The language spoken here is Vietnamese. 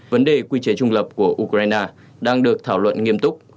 vấn đề quy chế trung lập của ukraine đang được thảo luận nghiêm túc